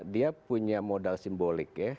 dia punya modal simbolik ya